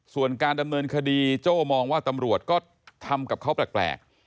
ส่วนการดำเนินคดีโจ้มองว่าตำรวจก็ทำกับเขาแปลก